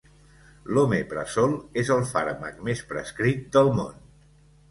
L'omeprazole és el fàrmac més prescrit del món.